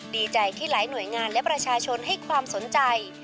ดีใจที่หลายหน่วยงานและประชาชนให้ความสนใจ